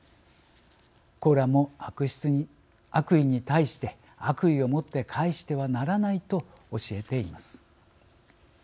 コーランも悪意に対して悪意を持って返してはならないと教えています。